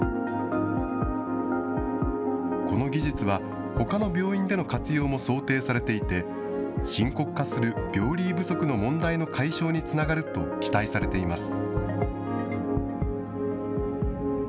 この技術は、ほかの病院での活用も想定されていて、深刻化する病理医不足の問題の解消につながると期待されています。